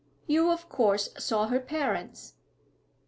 'You of course saw her parents?'